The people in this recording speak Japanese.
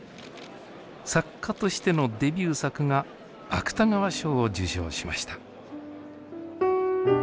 作家としてのデビュー作が芥川賞を受賞しました。